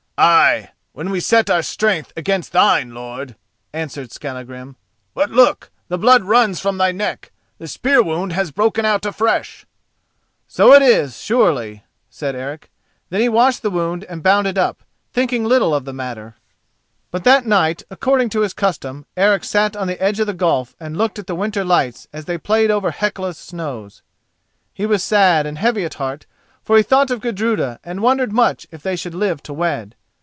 "Ay, when we set our strength against thine, lord," answered Skallagrim; "but look: the blood runs from thy neck—the spear wound has broken out afresh." "So it is, surely," said Eric. Then he washed the wound and bound it up, thinking little of the matter. But that night, according to his custom, Eric sat on the edge of the gulf and looked at the winter lights as they played over Hecla's snows. He was sad and heavy at heart, for he thought of Gudruda and wondered much if they should live to wed.